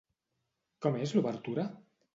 Com és l'obertura?